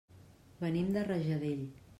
Venim de Rajadell.